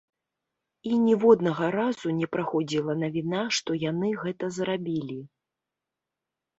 І ніводнага разу не праходзіла навіна, што яны гэта зрабілі.